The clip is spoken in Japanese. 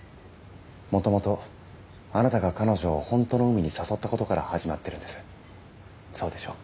もともとあなたが彼女をホントの海に誘ったことから始まってるんですそうでしょう？